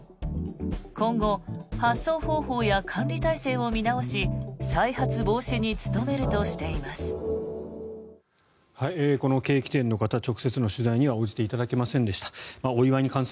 今後、発送方法や管理体制を見直し再発防止に努めるとしています。